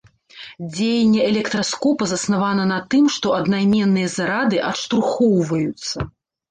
Дзеянне электраскопа заснавана на тым, што аднайменныя зарады адштурхоўваюцца.